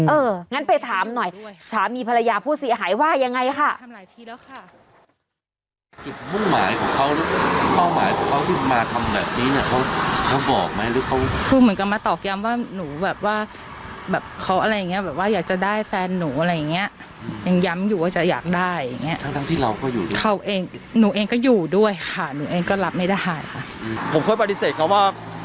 งั้นไปถามหน่อยสามีภรรยาผู้เสียหายว่ายังไงค่ะ